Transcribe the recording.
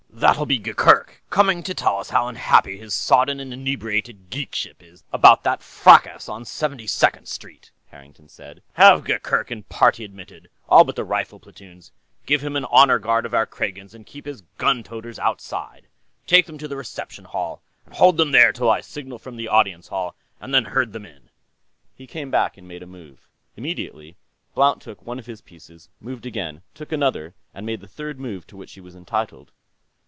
"That'll be Gurgurk, coming to tell us how unhappy his Sodden and Inebriated Geekship is about that fracas on Seventy second Street," Harrington said. "The gift litter will contain the customary indemnity, at the current market quotation. Have Gurgurk and party admitted, all but the rifle platoons; give him an honor guard of our Kragans, and keep his own gun toters outside. Take them to the Reception Hall, and hold them there till I signal from the Audience Hall, and then herd them in." He came back and made a move. Immediately, Blount took one of his pieces, moved again, took another, and made the third move to which he was entitled.